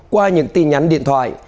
qua những tin nhắn điện thoại